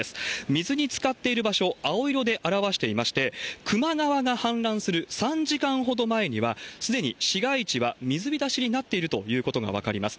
水につかっている場所、青色で表していまして、球磨川が氾濫する３時間ほど前には、すでに市街地は水浸しになっているということが分かります。